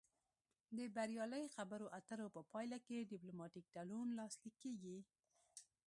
د بریالۍ خبرو اترو په پایله کې ډیپلوماتیک تړون لاسلیک کیږي